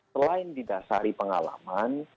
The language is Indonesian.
selain didasari pengalaman